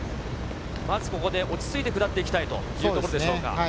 まずここで落ち着いて下っていきたいというところでしょうか。